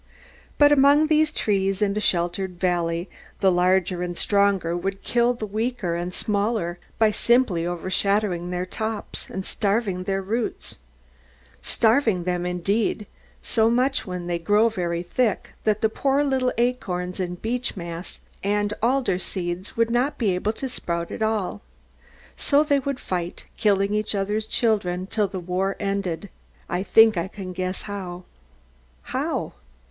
But among these trees in a sheltered valley the larger and stronger would kill the weaker and smaller by simply overshadowing their tops, and starving their roots; starving them, indeed, so much when they grow very thick, that the poor little acorns, and beech mast, and alder seeds would not be able to sprout at all. So they would fight, killing each other's children, till the war ended I think I can guess how. How?